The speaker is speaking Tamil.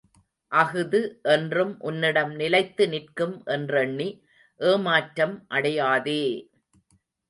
அஃது என்றும் உன்னிடம் நிலைத்து நிற்கும் என்றெண்ணி ஏமாற்றம் அடையாதே!